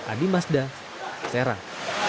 adi mazda serang